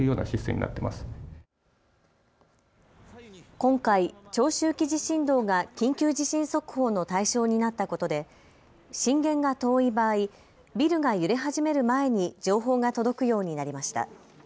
今回、長周期地震動が緊急地震速報の対象になったことで震源が遠い場合、ビルが揺れ始める前に情報が届くようになりました。